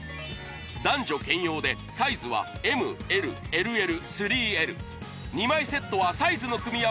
男女兼用でサイズはＭＬＬＬ３Ｌ２枚セットはサイズの組み合わせ